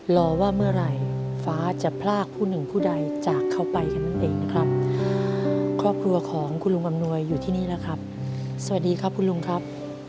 รอว่าเมื่อไหร่ฟ้าจะพลากผู้หนึ่งผู้ใดจากเขาไปกันนั่นเองนะครับครอบครัวของคุณลุงอำนวยอยู่ที่นี่แล้วครับสวัสดีครับคุณลุงครับ